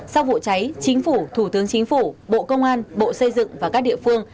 sau vụ cháy chính phủ thủ tướng chính phủ bộ công an bộ xây dựng và các địa phương